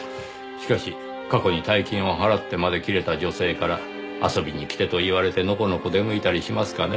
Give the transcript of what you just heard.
しかし過去に大金を払ってまで切れた女性から遊びに来てと言われてのこのこ出向いたりしますかね？